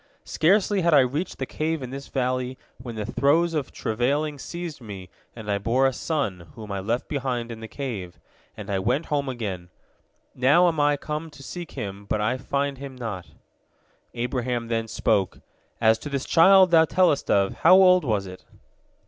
Scarcely had I reached the cave in this valley when the throes of travailing seized me, and I bore a son, whom I left behind in the cave, and I went home again. Now am I come to seek him, but I find him not." Abraham then spoke, "As to this child thou tellest of, how old was it?"